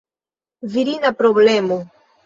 Virina problemo!